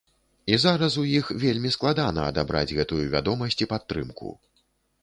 І зараз у іх вельмі складана адабраць гэтую вядомасць і падтрымку.